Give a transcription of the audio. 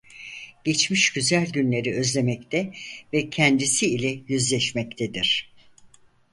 Geçmiş güzel günleri özlemekte ve kendisi ile yüzleşmektedir.